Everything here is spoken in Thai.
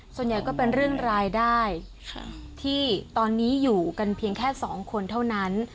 ส่วนใหญ่ก็เป็นเรื่องรายได้ที่ตอนนี้อยู่กันเพียงแค่สองคนเท่านั้น